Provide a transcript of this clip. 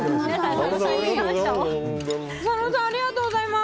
佐野さんありがとうございます。